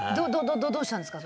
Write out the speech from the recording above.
どうしたんですか？